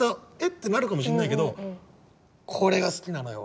ってなるかもしんないけどこれが好きなのよ